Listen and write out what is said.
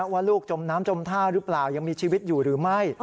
ว่าลูกจมน้ำจมท่าหรือเปล่ายังมีชีวิตอยู่หรือไม่